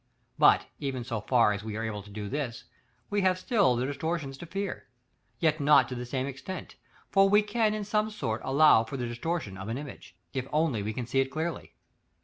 But, even so far as we are able to do this, we have still the distortion to fear, yet not to the same extent, for we can in some sort allow for the distortion of an image, if only we can see it clearly.